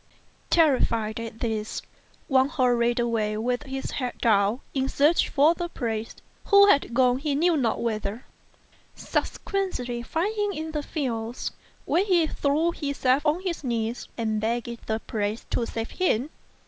Terrified at this, Wang hurried away with his head down in search of the priest who had gone he knew not whither; subsequently rinding him in the fields, where he threw himself on his knees and begged the priest to save him.